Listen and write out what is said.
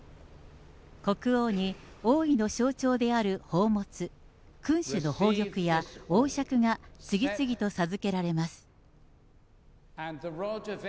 国王に王位の象徴である宝物、君主の宝玉や王しゃくが次々と授けられます。